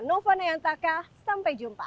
nova nayantaka sampai jumpa